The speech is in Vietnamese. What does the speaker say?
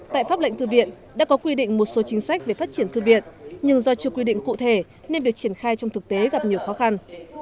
tại pháp lệnh thư viện đã có quy định một số chính sách về phát triển thư viện nhưng do chưa quy định cụ thể nên việc triển khai trong thực tế gặp nhiều khó khăn